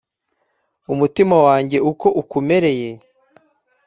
umutima wanjye uko ukumereye